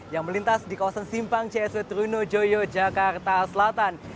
yang melintas di kawasan simpang csw trunojoyo jakarta selatan